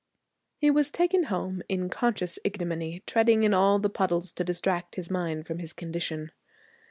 He was taken home in conscious ignominy, treading in all the puddles to distract his mind from his condition.